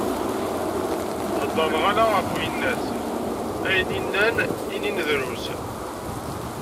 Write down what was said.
Hedren ala γef uyennat, ayen i nnan inin drus.